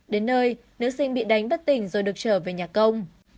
đến nơi nữ sinh bị đánh bất tỉnh rồi được trở về nhà công